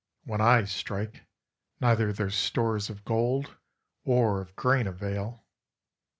When I strike, neither their stores of gold or of grain avail.